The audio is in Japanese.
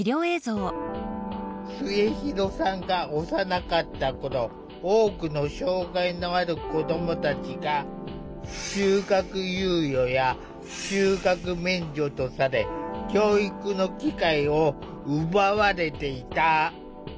末弘さんが幼かった頃多くの障害のある子どもたちがとされ教育の機会を奪われていた。